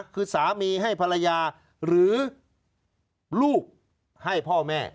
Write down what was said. คือสามีให้ภรรยาหรือลูกให้พ่อแม่